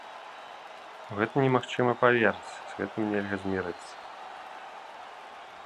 У гэта немагчыма паверыць, з гэтым нельга змірыцца.